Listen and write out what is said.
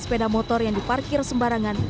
sepeda motor yang diparkir sembarangan